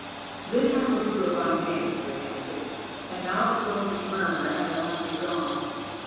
"This I will do if I may," Rei answered. "And now the soldiers murmur and I must be gone.